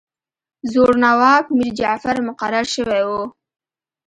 زوړ نواب میرجعفر مقرر شوی وو.